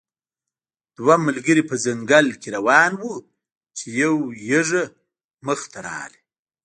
دوه ملګري په ځنګل کې روان وو چې یو یږه مخې ته راغله.